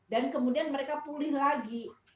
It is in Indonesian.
dan kemudian mereka pulih lagi